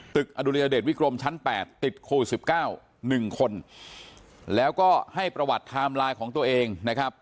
อดุลยเดชวิกรมชั้น๘ติดโควิด๑๙๑คนแล้วก็ให้ประวัติไทม์ไลน์ของตัวเองนะครับ